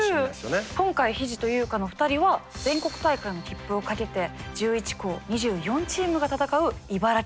今回ひじとゆうかの２人は全国大会の切符をかけて１１校２４チームが戦う茨城大会に出場します。